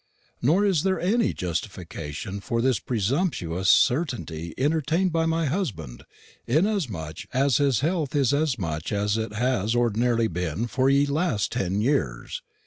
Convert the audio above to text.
Nor is there any justification for this presumptuous certainty entertained by my husband, inasmuch as his health is much as it has ordinarily been for ye last ten years.